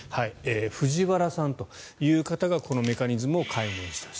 藤原さんという方がこのメカニズムを解明したと。